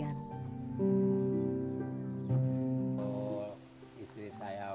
ia sesungguhnya tak tega melihat sang istri menanggung beban sendirian